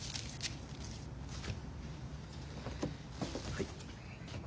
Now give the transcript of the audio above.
はい。